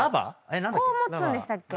こう持つんでしたっけ。